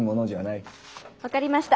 分かりました。